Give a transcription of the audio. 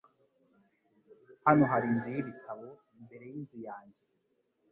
Hano hari inzu y'ibitabo imbere yinzu yanjye.